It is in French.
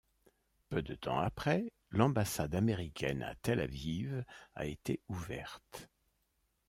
Peu de temps après, l'ambassade américaine à Tel Aviv a été ouverte.